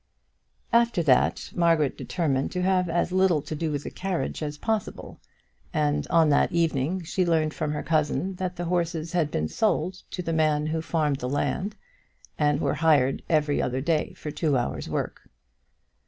After that Margaret determined to have as little to do with the carriage as possible, and on that evening she learned from her cousin that the horses had been sold to the man who farmed the land, and were hired every other day for two hours' work.